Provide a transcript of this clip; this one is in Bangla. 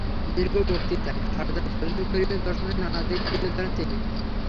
দীর্ঘ বক্তৃতায় সরদার ফজলুল করিমের দর্শনের নানা দিক তুলে ধরেন তিনি।